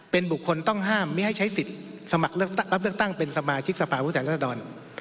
เป็นบุคคลต้องห้ามไม่ให้ใช้สิทธิ์สมัครรับเลือกตั้งเป็นสมาชิกสภาพุทธแห่งรัฐดร